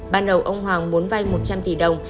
ban đầu ông hoàng muốn vay một trăm linh tỷ đồng